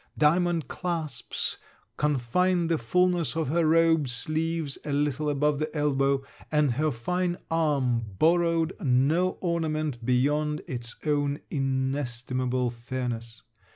Diamond clasps confined the fulness of her robe sleeves a little above the elbow, and her fine arm borrowed no ornament beyond its own inestimable fairness.